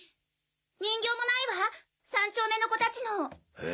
人形もないわ３丁目の子達の。え？